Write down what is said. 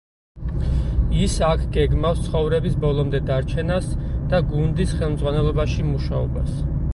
ის აქ გეგმავს ცხოვრების ბოლომდე დარჩენას და გუნდის ხელმძღვანელობაში მუშაობას.